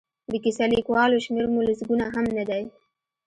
د کیسه لیکوالو شمېر مو لسګونه هم نه دی.